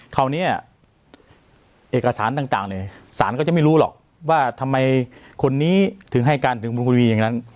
คราวนี้เอกสารต่างเนี่ยสารก็จะไม่รู้หรอกว่าทำไมคนนี้ถึงให้การถึงบุญคุณวีอย่างนั้น